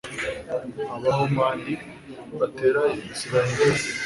abahamoni batera israheli